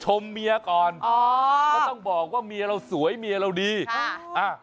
ชมเมียก่อนอ๋อก็ต้องบอกว่าเมียเราสวยเมียเราดีอ่า